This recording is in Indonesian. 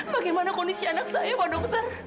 bagaimana kondisi anak saya pak dokter